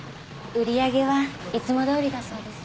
売り上げはいつもどおりだそうです